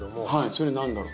それ何だろう？